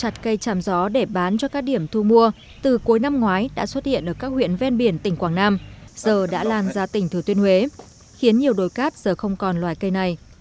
thì bà nhung thị trấn ở địa bàn quảng nam giờ đã lan ra tỉnh thừa tuyên huế khiến nhiều đổi cắt giờ không còn loại cây này